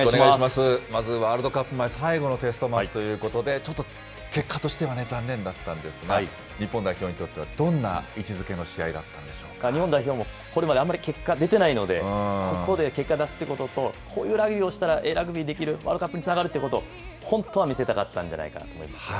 まずワールドカップ前、最後のテストマッチということで、ちょっと結果としてはね、残念だったんですが、日本代表にとっては、どんな位置づけの試合だったんで日本代表、これまであんまり結果出てないので、ここで結果出していくことと、こういうラグビーをしたら、ええラグビーできる、ワールドカップにつながるということ、本当は見せたかったんじゃないかなと思います。